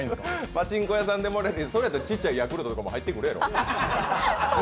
パチンコ屋さんでもらえるとそれやったらちっちゃいヤクルトなんかも入ってくるやろ。